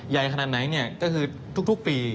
ใหญ่ขนาดไหนก็คือทุกปี